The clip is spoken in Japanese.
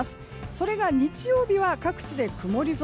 それが日曜日は各地で曇り空。